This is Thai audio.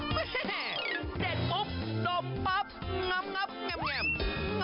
แม่เด็ดปุ๊บดมปั๊บงับแง่ม